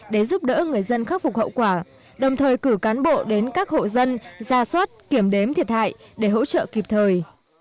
để giúp đỡ người dân khắc phục hậu quả đồng thời cử cán bộ đến các hộ dân ra soát kiểm đếm thiệt hại để hỗ trợ kịp thời